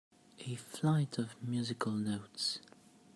A flight of musical notes.